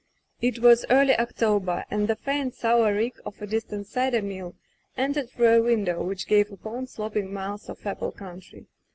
It was early October and the faint sour reek of a distant cider mill entered through a window which gave upon sloping miles of apple country.